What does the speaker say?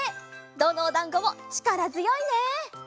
どのおだんごもちからづよいね！